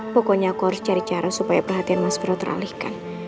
pokoknya aku harus cari cara supaya perhatian mas bro teralihkan